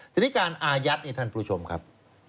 ที่นี้การอาญัติท่านผู้ชมครับ